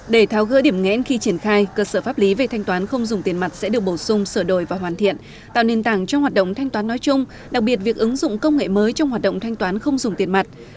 để tháo gỡ điểm ngẽn khi triển khai cơ sở pháp lý về thanh toán không dùng tiền mặt sẽ được bổ sung sửa đổi và hoàn thiện tạo nền tảng cho hoạt động thanh toán nói chung đặc biệt việc ứng dụng công nghệ mới trong hoạt động thanh toán không dùng tiền mặt